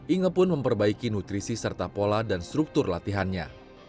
inge pun memperbaiki nutrisi serta pola dan struktur latihannya